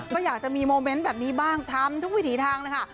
ก็อยากจะมีโมเมนต์แบบนี้บ้างทำทุกวิถีทางเลยค่ะ